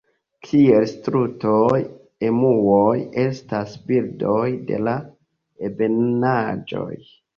Kiel strutoj, emuoj estas birdoj de la ebenaĵoj.